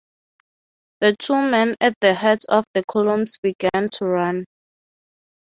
The two men at the heads of the columns begin to run.